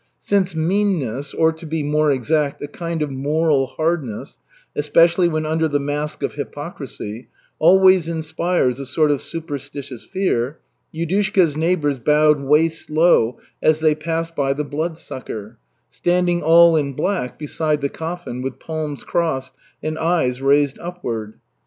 Since meanness, or, to be more exact, a kind of moral hardness, especially when under the mask of hypocrisy, always inspires a sort of superstitious fear, Yudushka's neighbors bowed waist low as they passed by the Bloodsucker, standing all in black beside the coffin with palms crossed and eyes raised upward.